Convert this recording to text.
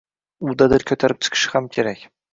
U dadil ko‘tarib chiqishi ham kerak.